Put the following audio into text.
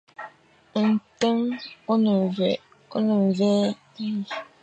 Nten ô ne mvè.